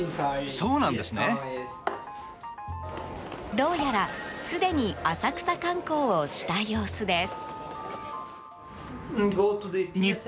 どうやらすでに浅草観光をした様子です。